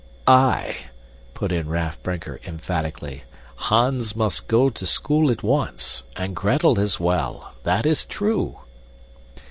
"Aye!" put in Raff Brinker, emphatically. "Hans must go to school at once and Gretel as well that is true."